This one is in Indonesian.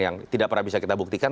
yang tidak pernah bisa kita buktikan